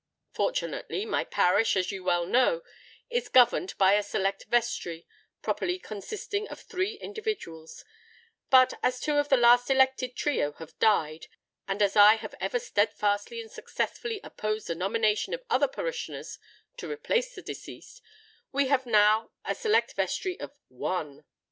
Fortunately my parish, as you well know, is governed by a Select Vestry—properly consisting of three individuals; but as two of the last elected trio have died, and as I have ever stedfastly and successfully opposed the nomination of other parishioners to replace the deceased, we have now a Select Vestry of One.